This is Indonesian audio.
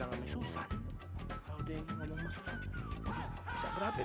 enak aja lo di meluk gue gratis